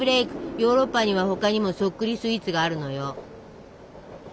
ヨーロッパには他にもそっくりスイーツがあるのよ。